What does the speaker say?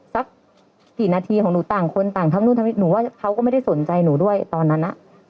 สักกี่นาทีของหนูต่างคนต่างทั้งนู่นทั้งนี้หนูว่าเขาก็ไม่ได้สนใจหนูด้วยตอนนั้น